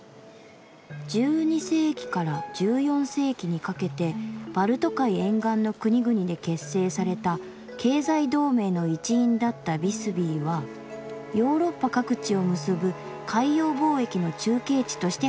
「１２世紀から１４世紀にかけてバルト海沿岸の国々で結成された経済同盟の一員だったビスビーはヨーロッパ各地を結ぶ海洋貿易の中継地として繁栄した。